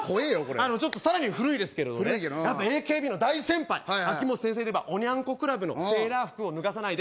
あのちょっとさらに古いですけどねやっぱＡＫＢの大先輩秋元先生といえばおニャン子クラブの「セーラー服を脱がさないで」